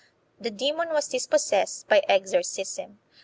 1 The demon was dispossessed by exorcism.